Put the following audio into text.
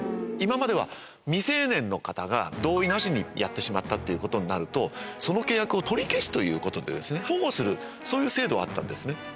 今までは未成年の方が同意なしにやってしまったっていうことになるとその契約を取り消すということで保護するそういう制度はあったんですね。